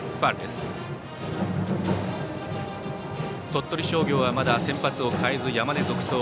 鳥取商業はまだ先発を代えず、山根が続投。